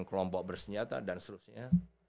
kelompok bersenjata dan sebagainya